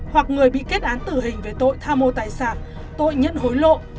hoặc người bị kết án tử hình về tội tham mô tài sản tội nhận hối lộ